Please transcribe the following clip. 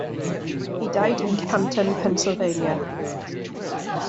He died in Canton, Pennsylvania.